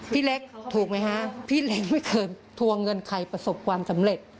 พี่เล็กถูกไหมฮะพี่เล็กไม่เคยทวงเงินใครประสบความสำเร็จ